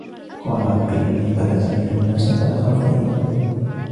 قال رب إني قتلت منهم نفسا فأخاف أن يقتلون